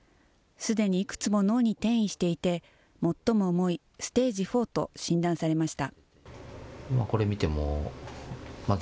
すでにいくつも脳に転移していて、最も重いステージ４と診断されました。